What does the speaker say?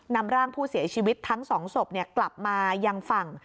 นำร่างผู้เสียชีวิตทั้งสองศพกลับมายังฝั่ง